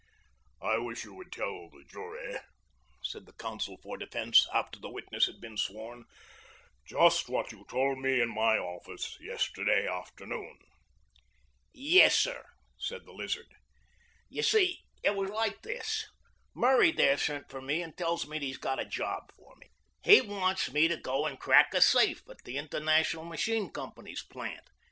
"I wish you would tell the jury," said the counsel for defense after the witness had been sworn, "just what you told me in my office yesterday afternoon." "Yes, sir," said the Lizard. "You see, it was like this: Murray there sent for me and tells me that he's got a job for me. He wants me to go and crack a safe at the International Machine Company's plant.